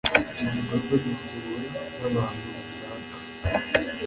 icyo kirwa gituwe n abantu basaga